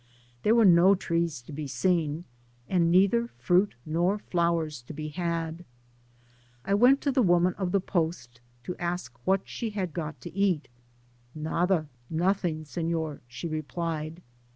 Th»e were no trees to be seen, and neither fruit nor flowers to be had. I went to the woman <^ the post to ask what she had got to eat :Nacfa (nothing), Sefior,*^ she replied.